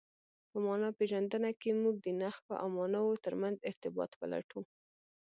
په مانا پېژندنه کښي موږ د نخښو او ماناوو ترمنځ ارتباط پلټو.